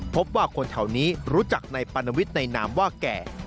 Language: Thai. พบว่าคนแถวนี้รู้จักในปานวิทย์ในนามว่าแก่